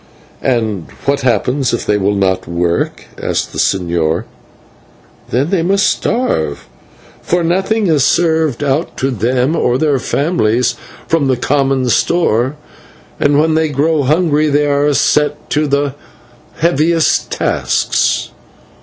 "And what happens if they will not work?" asked the señor. "Then they must starve, for nothing is served out to them or their families from the common store, and when they grow hungry they are set to the heaviest tasks."